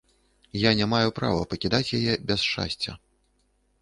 Я не маю права пакідаць яе без шчасця.